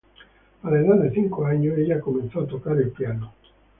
A la edad de cinco años, ella comenzó a tocar el piano.